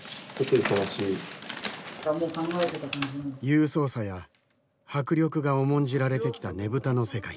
勇壮さや迫力が重んじられてきたねぶたの世界。